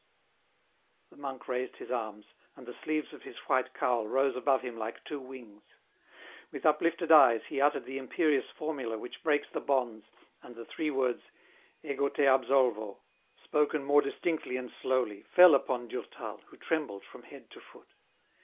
The monk raised his arms, and the sleeves of his white cowl rose above him like two wings. With uplifted eyes he uttered the imperious formula which breaks the bonds, and the three words, " Ego te absolvo," spoken more distinctly and slowly, fell upon Durtal, who trembled from head to foot.